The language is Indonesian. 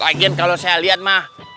agen kalau saya lihat mah